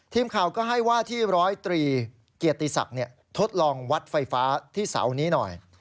ทีมข่าวก็ให้ว่าที่ร้อยตรีเกียรติศักดิ์ทดลองวัดไฟฟ้าที่เสานี้หน่อย